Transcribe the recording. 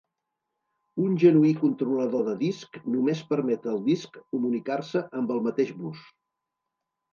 Un genuí controlador de disc només permet al disc comunicar-se amb el mateix bus.